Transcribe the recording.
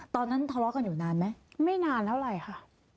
ตอนนั้นทะเลาะกันอยู่นานไหมไม่นานเท่าไหร่ค่ะ